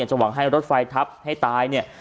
จะหวังให้รถไฟทับให้ตาย